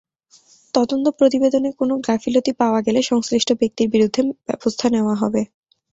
তদন্ত প্রতিবেদনে কোনো গাফিলতি পাওয়া গেলে সংশ্লিষ্ট ব্যক্তির বিরুদ্ধে ব্যবস্থা নেওয়া হবে।